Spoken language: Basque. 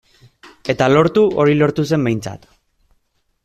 Eta lortu, hori lortu zen behintzat.